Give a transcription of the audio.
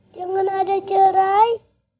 jangan ada cerai